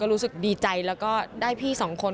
รู้สึกดีใจแล้วก็ได้พี่สองคน